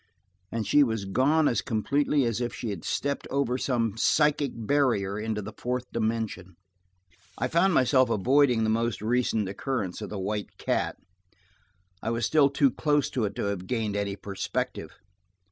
And she was gone as completely as if she had stepped over some psychic barrier into the fourth dimension! I found myself avoiding the more recent occurrence at the White Cat. I was still too close to it to have gained any perspective.